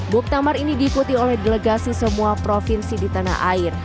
buktamar ini diikuti oleh delegasi semua provinsi di tanah air